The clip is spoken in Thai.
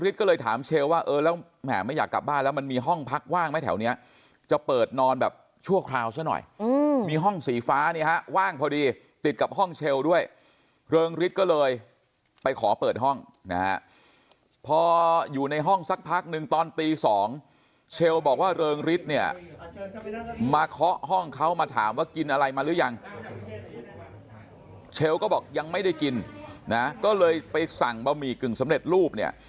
ถามว่ากินอะไรมาหรือยังเชลก็บอกยังไม่ได้กินนะก็เลยไปสั่งบะหมี่กึ่งสำเร็จรูปเนี่ย